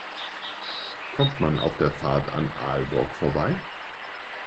Kommt man auf der Fahrt an Aalborg vorbei?